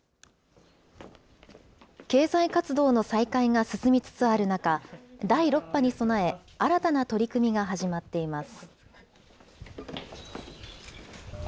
経済活動の再開が進みつつある中、第６波に備え、新たな取り組みが始まっています。